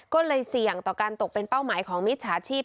ก็เลยเสี่ยงต่อการตกเป็นเป้าหมายของมิจฉาชีพ